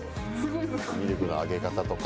ミルクのあげ方とか。